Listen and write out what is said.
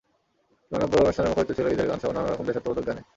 কেননা পুরো অনুষ্ঠান মুখরিত ছিল ঈদের গানসহ নানা রকম দেশাত্মবোধক গানে।